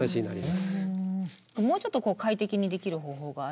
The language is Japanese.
もうちょっと快適にできる方法がある。